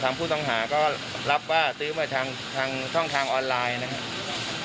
ผู้ต้องหาก็รับว่าซื้อมาทางช่องทางออนไลน์นะครับ